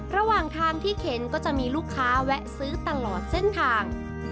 ระหว่างทางที่เข็นก็จะมีลูกค้าแวะซื้อตลอดเส้นทาง